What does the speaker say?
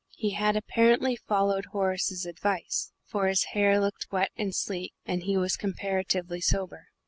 He had apparently followed Horace's advice, for his hair looked wet and sleek, and he was comparatively sober.